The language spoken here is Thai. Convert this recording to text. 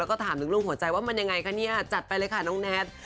ว่ามันยังไงคะจัดไปเลยค่ะน้องแนต